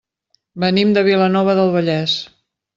Venim de Vilanova del Vallès.